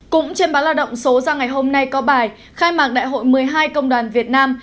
cũng trên báo lao động số ra ngày hôm nay có bài khai mạc đại hội một mươi hai công đoàn việt nam